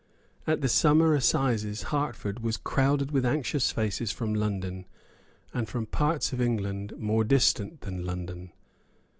At the summer assizes Hertford was crowded with anxious faces from London and from parts of England more distant than London.